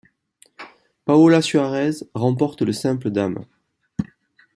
Paola Suárez remporte le simple dames.